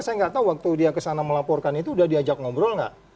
saya gak tahu waktu dia kesana melaporkan itu sudah diajak ngobrol gak